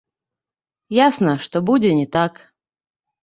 Ясна, што будзе не так.